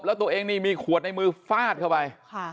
แล้วตัวเองนี่มีขวดในมือฟาดเข้าไป